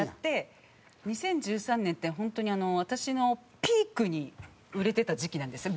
２０１３年ってホントに私のピークに売れてた時期なんですよ。